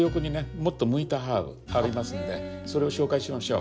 もっと向いたハーブありますんでそれを紹介しましょう。